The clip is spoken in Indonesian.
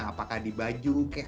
apakah di baju kek